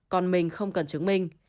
còn mình không cần chứng minh